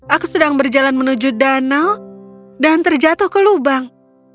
aku sedang berjalan menuju danau dan terjatuh ke lubang